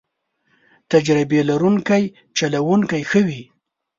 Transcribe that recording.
تجربه لرونکی چلوونکی ښه وي.